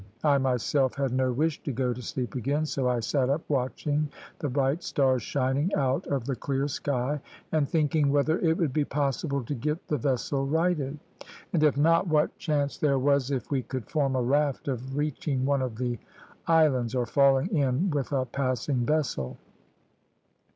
I myself had no wish to go to sleep again, so I sat up watching the bright stars shining out of the clear sky, and thinking whether it would be possible to get the vessel righted; and if not, what chance there was if we could form a raft of reaching one of the islands, or falling in with a passing vessel.